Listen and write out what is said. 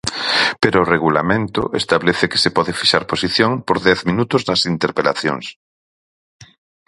Pero o Regulamento establece que se pode fixar posición por dez minutos nas interpelacións.